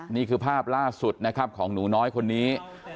นี่คือภาพล่าสุดนะครับของหนูน้อยคนนี้